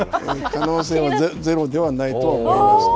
可能性はゼロではないとは思い